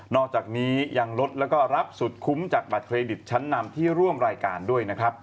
อกจากนี้ยังลดแล้วก็รับสุดคุ้มจากบัตรเครดิตชั้นนำที่ร่วมรายการด้วยนะครับ